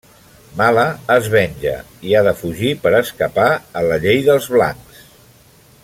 Mala es venja i ha de fugir per escapar a la llei dels blancs.